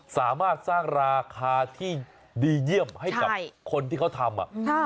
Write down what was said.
สามารถสร้างราคาที่ดีเยี่ยมให้กับคนที่เขาทำ